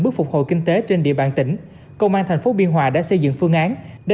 bước phục hồi kinh tế trên địa bàn tỉnh công an thành phố biên hòa đã xây dựng phương án